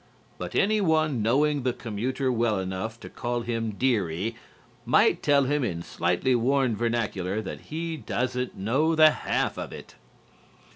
But any one knowing the commuter well enough to call him "dearie" might tell him in slightly worn vernacular that he doesn't know the half of it.